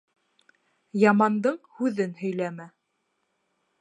Ямандың һүҙен һөйләмә